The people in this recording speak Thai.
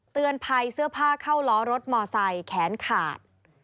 เตือนภัยเสื้อผ้าเข้าล้อรถมอไซค์แขนขาด